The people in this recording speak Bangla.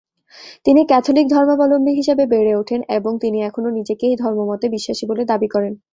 তিনি ক্যাথলিক ধর্মাবলম্বী হিসেবে বেড়ে ওঠেন, এবং তিনি এখনো নিজেকে এই ধর্মমতে বিশ্বাসী বলে দাবী করেন।